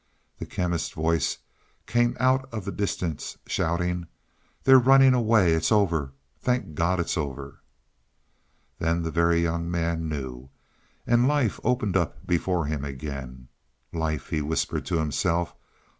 The Chemist's voice came out of the distance shouting: "They're running away. It's over; thank God it's over!" Then the Very Young Man knew, and life opened up before him again. "Life," he whispered to himself.